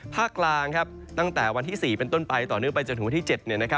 ภาคกลางตั้งแต่วันที่๔เป็นต้นไปต่อเนื่องไปจนถึงวันที่๗